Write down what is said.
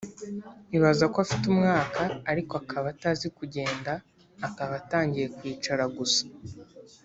ibaze ko afite umwaka ariko akaba atazi kugenda akaba atangiye kwicara gusa